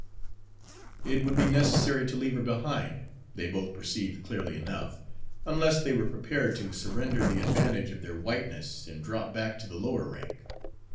It would be necessary to leave her behind, they both perceived clearly enough, unless they were prepared to surrender the advantage of their whiteness and drop back to the lower rank.